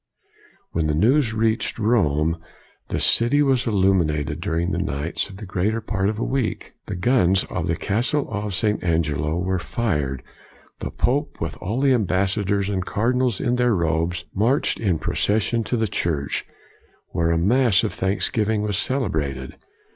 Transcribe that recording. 1 64 COLIGNY When the news reached Rome, the city was illuminated during the nights of the greater part of a week, the guns of the Castle of St. Angelo were fired, the pope, with all the ambassadors and cardinals in their robes, marched in procession to the church, where a mass of thanksgiving was celebrated.